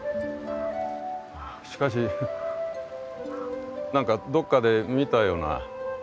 しかし何かどっかで見たような。